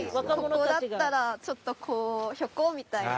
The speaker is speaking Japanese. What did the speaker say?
ここだったらちょっとこう「ひょこ」みたいな。